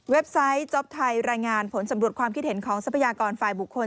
ไซต์จ๊อปไทยรายงานผลสำรวจความคิดเห็นของทรัพยากรฝ่ายบุคคล